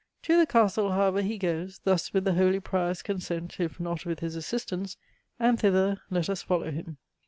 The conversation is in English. To the Castle however he goes, thus with the holy Prior's consent, if not with his assistance; and thither let us follow him.